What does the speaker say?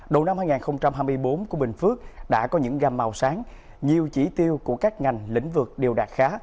đầu năm hai nghìn hai mươi bốn của bình phước đã có những gam màu sáng nhiều chỉ tiêu của các ngành lĩnh vực đều đạt khá